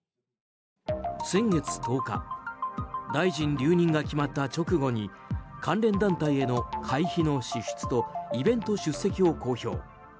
先月１０日大臣留任が決まった直後に関連団体への会費の支出とイベント出席を公表。